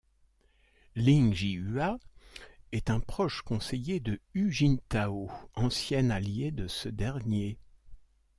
Ling Jihua est un proche conseiller de Hu Jintao, ancien allié de ce dernier.